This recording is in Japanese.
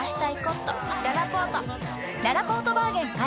ららぽーとバーゲン開催！